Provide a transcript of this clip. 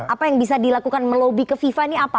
apa yang bisa dilakukan melobi ke fifa ini apa